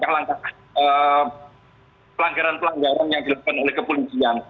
tidak hanya mengingatkan pelanggaran pelanggaran yang dilakukan oleh kepolisian